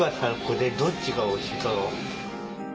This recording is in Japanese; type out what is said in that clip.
これどっちがおいしい。